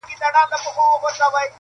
زه وایم داسي وو لکه بې جوابه وي سوالونه-